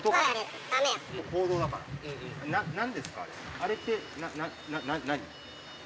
あれって何？